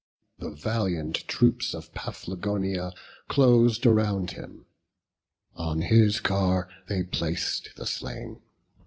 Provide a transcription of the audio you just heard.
The valiant troops of Paphlagonia clos'd Around him; on his car they plac'd the slain.